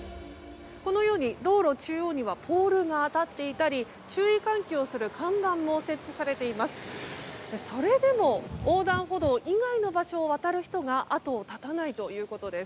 道路中央にはポールが立っていたり注意喚起をする看板も設置されています。